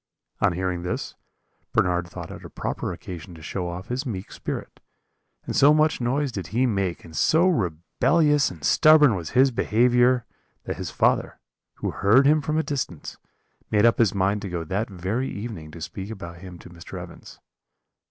"On hearing this, Bernard thought it a proper occasion to show off his meek spirit, and so much noise did he make, and so rebellious and stubborn was his behaviour, that his father, who heard him from a distance, made up his mind to go that very evening to speak about him to Mr. Evans.